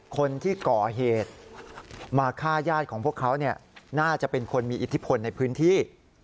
คนที่ก่อเหตุมาฆ่าญาติของพวกเขาน่าจะเป็นคนมีอิทธิพลในพื้นที่